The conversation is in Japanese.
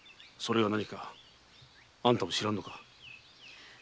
それがなにかあんたも知らんのか？